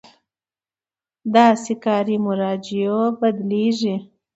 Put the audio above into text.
داسې کاري مراجعو بدلېږي.